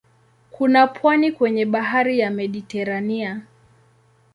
Kuna pwani kwenye bahari ya Mediteranea.